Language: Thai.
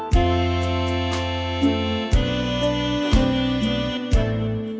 ขอบคุณครับ